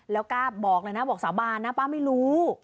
แล้วกล้าบอกเลยนะบอกสาบานนะป้าไม่รู้